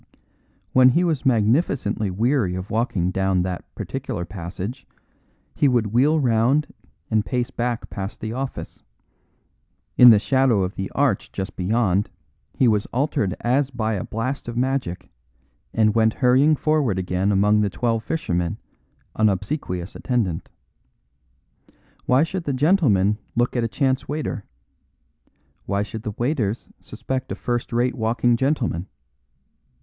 When he was magnificently weary of walking down that particular passage he would wheel round and pace back past the office; in the shadow of the arch just beyond he was altered as by a blast of magic, and went hurrying forward again among the Twelve Fishermen, an obsequious attendant. Why should the gentlemen look at a chance waiter? Why should the waiters suspect a first rate walking gentleman?